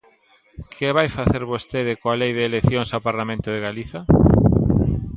¿Que vai facer vostede coa Lei de eleccións ao Parlamento de Galiza?